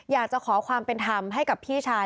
อยากจะขอความเป็นธรรมให้กับพี่ชาย